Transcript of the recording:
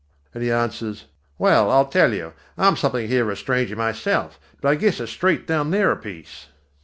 And he answers: "Well, I tell you, I'm something of a stranger here myself, but I guess it's straight down there a piece."